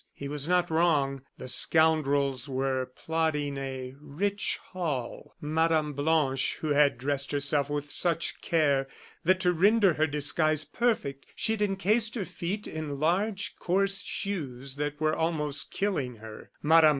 He was not wrong. The scoundrels were plotting "a rich haul." Mme. Blanche, who had dressed herself with such care, that to render her disguise perfect she had encased her feet in large, coarse shoes that were almost killing her Mme.